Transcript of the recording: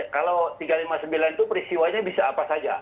kalau tiga ratus lima puluh sembilan itu peristiwanya bisa apa saja